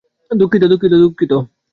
দুঃখিত, দুঃখিত, দুঃখিত।